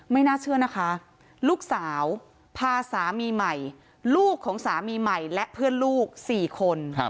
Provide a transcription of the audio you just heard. ไม่น่าเชื่อนะคะลูกสาวพาสามีใหม่ลูกของสามีใหม่และเพื่อนลูก๔คน